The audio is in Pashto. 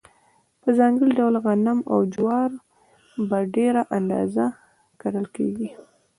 په ځانګړي ډول غنم او جوار په ډېره اندازه کرل کیږي.